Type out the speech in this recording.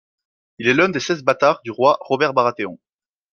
Il est l'un des seize bâtards du roi Robert Baratheon.